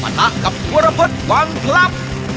มาตากับธุรพฤษหวังพลับ